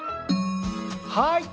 はい！